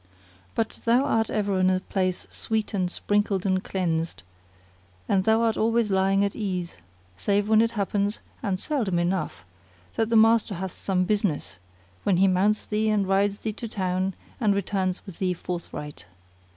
But thou art ever in a place swept and sprinkled and cleansed, and thou art always lying at ease, save when it happens (and seldom enough!) that the master hath some business, when he mounts thee and rides thee to town and returns with thee forthright.